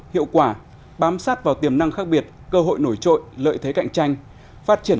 hiệu quả bám sát vào tiềm năng khác biệt cơ hội nổi trội lợi thế cạnh tranh phát triển